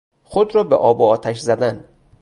خود را به آب و آتش زدن